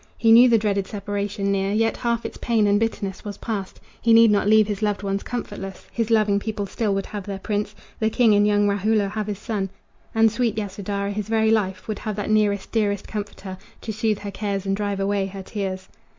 He knew the dreaded separation near, Yet half its pain and bitterness was passed. He need not leave his loved ones comfortless His loving people still would have their prince, The king in young Rahula have his son, And sweet Yasodhara, his very life, Would have that nearest, dearest comforter To soothe her cares and drive away her tears.